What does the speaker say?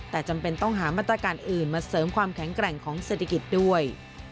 แต่จำเป็นต้องหามาตรการอื่นมาเสริมความแข็งแกร่งของเศรษฐกิจด้วย